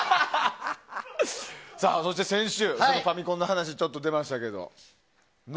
先週ファミコンの話ちょっと出ましたけど。